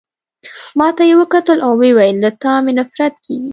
ما ته يې وکتل او ويې ویل: له تا مي نفرت کیږي.